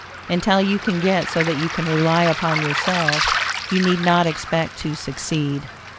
Until you can get so that you can rely upon yourself, you need not expect to succeed.